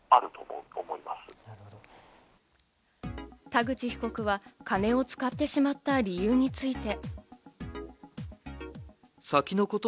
田口被告は金を使ってしまった理由について。